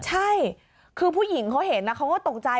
ใช่คือผู้หญิงเขาเห็นเขาก็ตกใจ